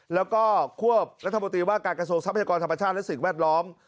แล้วก็ควบรัฐมนตรีว่าการกระทรวงทรัพยากรธรรมชาติและสิ่งแวดล้อม